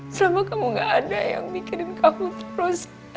selama kamu gak ada yang mikirin kamu terus